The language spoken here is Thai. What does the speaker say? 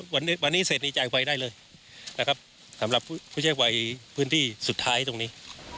วันนี้เสร็จนี่จ่ายไฟได้เลยสำหรับผู้ใช้ไฟพื้นที่สุดท้ายตรงนี้